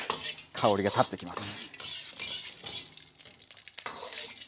香りがたってきます。